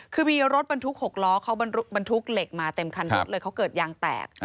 คือมีรถบรรทุก๖ล้อเขาบรรทุกเหล็กมาเต็มคันรถเลยเขาเกิดยางแตก